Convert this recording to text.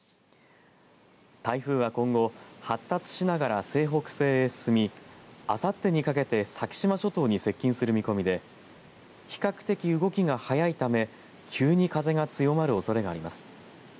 台風は今後、発達しながら西北西へ進みあさってにかけて先島諸島に接近する見込みで比較的、動きが速いため急に風が強まるおそれがあります。